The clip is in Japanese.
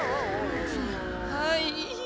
はい。